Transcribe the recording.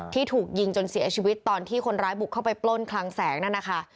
ถูกยิงจนเสียชีวิตตอนที่คนร้ายบุกเข้าไปปล้นคลังแสงนั่นนะคะ